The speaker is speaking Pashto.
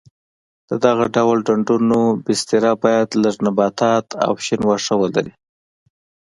د دغه ډول ډنډونو بستره باید لږ نباتات او شین واښه ولري.